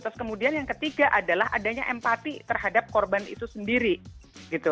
terus kemudian yang ketiga adalah adanya empati terhadap korban itu sendiri gitu